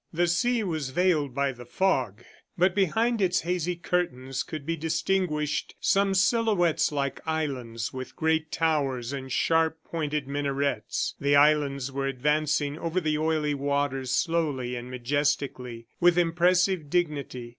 The sea was veiled by the fog, but behind its hazy curtains could be distinguished some silhouettes like islands with great towers and sharp, pointed minarets. The islands were advancing over the oily waters slowly and majestically, with impressive dignity.